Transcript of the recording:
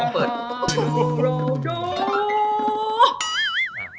ผมขอเปิด